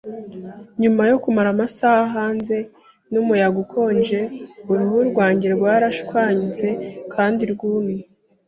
Nyuma yo kumara amasaha hanze mumuyaga ukonje, uruhu rwanjye rwarashwanyutse kandi rwumye.